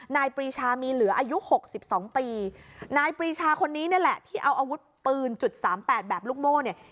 นายปรีชามีเหลืออายุ๖๒ปีนายปรีชาคนนี้แหละที่เอาอาวุธปืน๓๘แบบลุกโม่เนี่ย